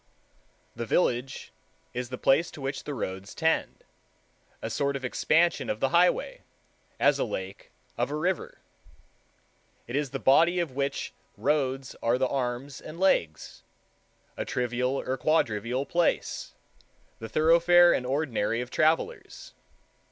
The village is the place to which the roads tend, a sort of expansion of the highway, as a lake of a river. It is the body of which roads are the arms and legs—a trivial or quadrivial place, the thoroughfare and ordinary of travelers.